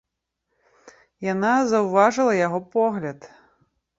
Яна заўважыла яго погляд.